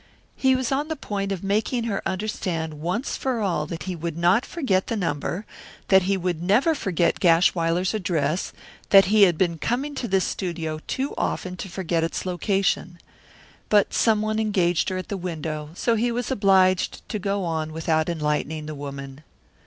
He was on the point of making her understand once for all that he would not forget the number, that he would never forget Gashwiler's address, that he had been coming to this studio too often to forget its location. But someone engaged her at the window, so he was obliged to go on without enlightening the woman.